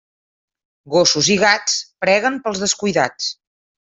Gossos i gats preguen pels descuidats.